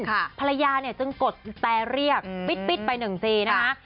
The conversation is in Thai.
ภรรยาเนี่ยจึงกดแตรเรียกปิ๊ดไปหนึ่งทีนะคะ